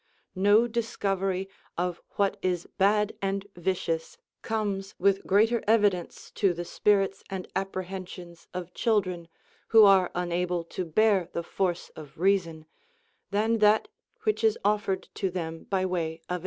30. No discovery of what is bad and vicious comes witli greater evidence to the spirits and apprehensions of chil dren, who are unable to bear the force of reason, than that which is offered to them by way of.